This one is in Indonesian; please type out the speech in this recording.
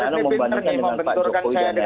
mbak nana membandingkan dengan pak jokowi dan lain lain